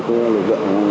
cũng là lực lượng